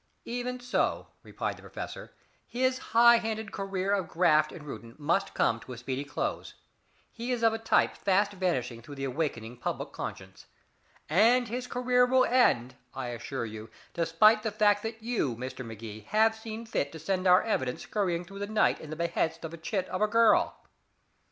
"Even so," replied the professor, "his high handed career of graft in Reuton must come to a speedy close. He is of a type fast vanishing through the awakening public conscience. And his career will end, I assure you, despite the fact that you, Mr. Magee, have seen fit to send our evidence scurrying through the night at the behest of a chit of a girl.